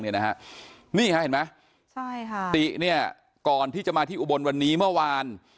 นี่เห็นไหมติก้อนที่จะมาที่อุบลวันนี้เมื่อวาน